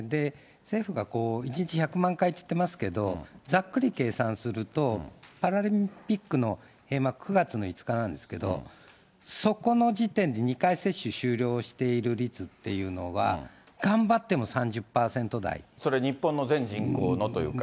政府が１日１００万回と言ってますけれども、ざっくり計算すると、パラリンピックの閉幕、９月の５日なんですけど、そこの時点で２回接種終了している率っていうのは、それ日本の全人口のというか。